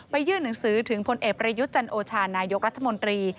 ยื่นหนังสือถึงพลเอกประยุทธ์จันโอชานายกรัฐมนตรี